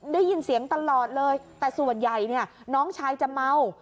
ได้ยินเสียงตลอดเลยแต่ส่วนใหญ่เนี่ยน้องชายจะเมา